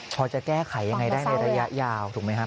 พอจะแก้ไขยังไงได้ในระยะยาวถูกไหมฮะ